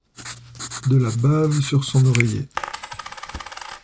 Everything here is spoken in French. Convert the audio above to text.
De la bave sur son oreiller.